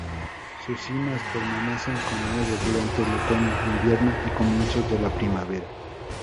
Sus cimas permanecen con nieve durante el otoño, invierno y comienzos de la primavera.